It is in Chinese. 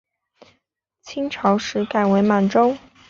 清朝时改为满洲。